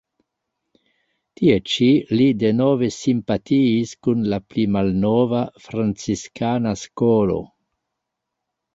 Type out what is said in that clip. Tie ĉi li denove simpatiis kun la pli malnova, franciskana skolo.